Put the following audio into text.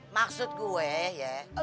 maksud gue ya